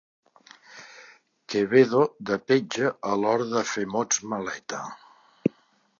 Quevedo de petja a l'hora de fer mots maleta.